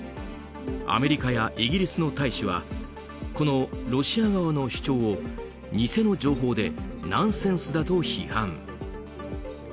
アメリカやイギリスの大使はこのロシア側の主張を偽の情報でナンセンスだと批判。